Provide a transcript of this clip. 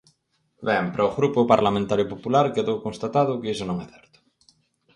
Ben, para o Grupo Parlamentario Popular quedou constatado que iso non é certo.